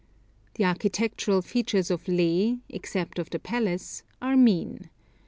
The architectural features of Leh, except of the palace, are mean.